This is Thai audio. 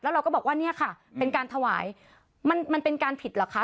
เราก็บอกว่าเนี่ยค่ะเป็นการถวายมันมันเป็นการผิดเหรอคะ